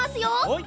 はい。